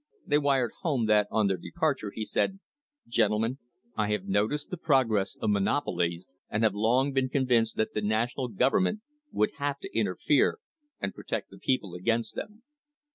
They wired home that on their departure he said: "Gentle men, I have noticed the progress of monopolies, and have long been convinced that the national government would have to interfere and protect the people against them."